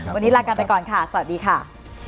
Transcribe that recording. วันนี้ลากันไปก่อนค่ะสวัสดีค่ะ